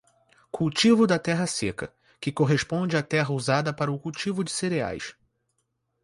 Cultivo da terra seca, que corresponde à terra usada para o cultivo de cereais.